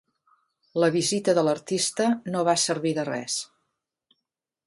La visita de l'artista no va servir de res.